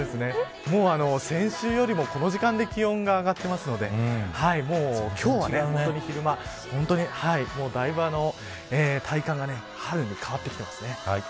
もう先週よりもこの時間で気温が上がっているので今日は本当に昼間だいぶ体感が春に変わってきていますね。